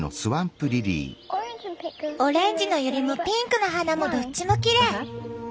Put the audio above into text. オレンジのユリもピンクの花もどっちもきれい。